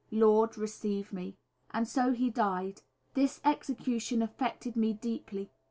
Lord receive me." And so he died. This execution affected me deeply.